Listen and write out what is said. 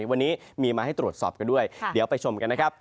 วันนี้มีมาให้ตรวจสอบกันด้วยเดี๋ยวไปชมกันนะครับ